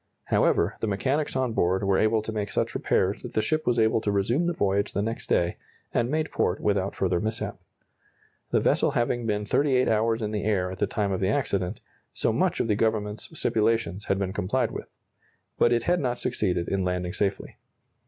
However, the mechanics on board were able to make such repairs that the ship was able to resume the voyage the next day, and made port without further mishap. The vessel having been 38 hours in the air at the time of the accident, so much of the Government's stipulations had been complied with. But it had not succeeded in landing safely.